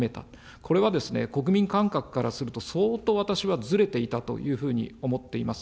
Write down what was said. これは国民感覚からすると、相当、私はずれていたというふうに思っています。